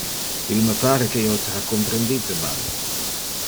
Il me pare que io te ha comprendite mal.